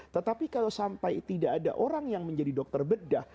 tetapi kalau sampai tidak ada orang yang menjadi dokter bedah